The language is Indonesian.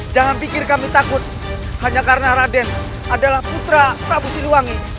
jangan pikir kami takut hanya karena raden adalah putra prabu siliwangi